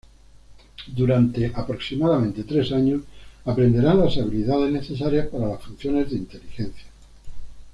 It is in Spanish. Durante aproximadamente tres años, aprenderán las habilidades necesarias para las funciones de inteligencia.